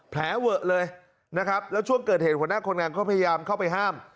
แผลเวอะเลยนะครับแล้วช่วงเกิดเหตุหัวหน้าคนงานก็พยายามเข้าไปห้าม